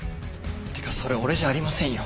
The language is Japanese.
ってかそれ俺じゃありませんよ。